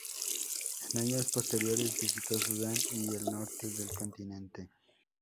En años posteriores visitó Sudán y el norte del continente.